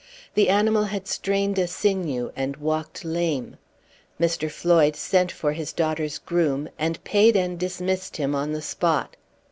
The animal had strained a sinew, and walked lame. Mr. Floyd sent for his daughter's groom, and paid and dismissed him on the spot.